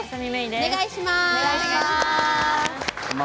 お願いします！